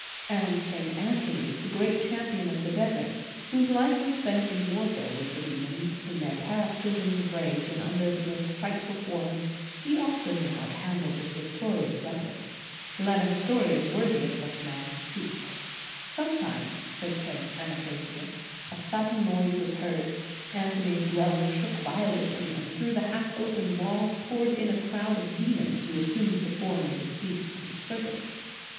* And St. Anthony, the great champion of the desert, whose life was spent in warfare with the demons, in their paroxysms of rage and under the most frightful forms, he also <> knew how to handle this victorious weapon. Let a historian worthy of such a man, speak, * Life, Sept. 26th. In the Nineteenth Century. 219 "Sometimes," says St. Athanasius, "a sud den noise was heard. Anthonys dwelling shook violently, and through the half opened walls poured in a crowd of demons, who assumed the forms of beasts and serpents.